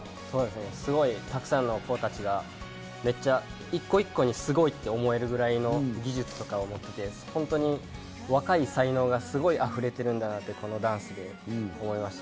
すごいたくさんの子たちがめっちゃ一個一個にすごいって思えるぐらいの技術とかを持っててホントに若い才能がすごいあふれてるんだなってこのダンスで思いました。